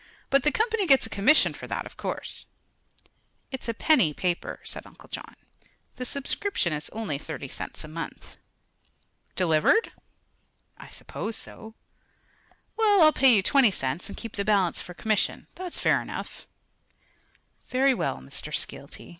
But the Company gets a commission for that, of course." "It's a penny paper," said Uncle John. "The subscription is only thirty cents a month." "Delivered?" "I suppose so." "Well, I'll pay you twenty cents, and keep the balance for commission. That's fair enough." "Very well, Mr. Skeelty.